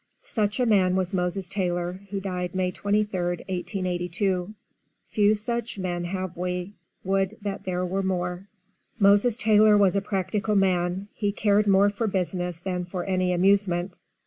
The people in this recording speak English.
Such a man was Moses Taylor who died May 23rd, 1882. Few such men have we, would that there were more. Moses Taylor was a practical man, he cared more for business than for any amusement.